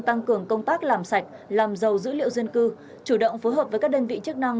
tăng cường công tác làm sạch làm giàu dữ liệu dân cư chủ động phối hợp với các đơn vị chức năng